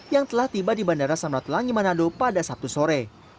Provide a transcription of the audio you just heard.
yang telah tiba di bandara samratulangi manado pada sabtu sore